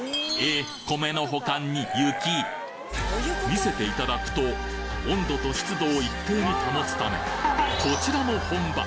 見せていただくと温度と湿度を一定に保つためこちらも本場！